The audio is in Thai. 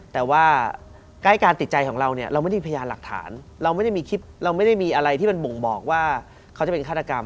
แต่ว่าใกล้การติดใจของเราเนี่ยเราไม่มีพยานหลักฐานเราไม่ได้มีคลิปเราไม่ได้มีอะไรที่มันบ่งบอกว่าเขาจะเป็นฆาตกรรม